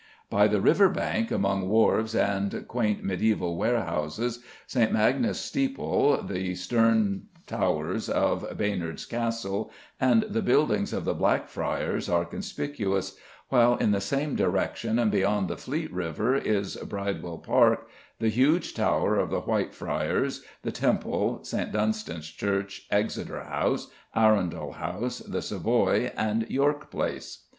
By the river bank among wharves and quaint mediæval warehouses, St. Magnus' steeple, the stern towers of Baynard's Castle, and the buildings of the Blackfriars are conspicuous; while in the same direction, and beyond the Fleet river, is Bridewell Palace, the huge tower of the Whitefriars, the Temple, St. Dunstan's Church, Exeter House, Arundel House, the Savoy, and York Place.